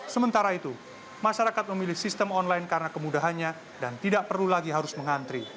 sementara itu masyarakat memilih sistem online karena kemudahannya dan tidak perlu lagi harus mengantri